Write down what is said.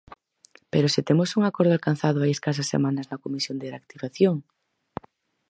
¡Pero se temos un acordo alcanzado hai escasas semanas na Comisión de reactivación!